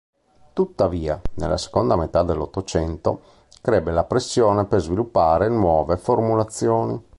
Tuttavia, nella seconda metà dell'Ottocento, crebbe la pressione per sviluppare nuove formulazioni.